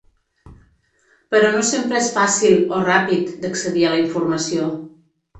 Però no sempre és fàcil, o ràpid, d’accedir a la informació.